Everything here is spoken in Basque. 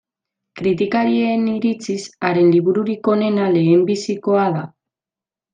Kritikarien iritziz, haren libururik onena lehenbizikoa da.